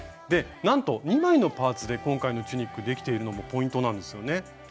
でなんと２枚のパーツで今回のチュニックできているのもポイントなんですよね。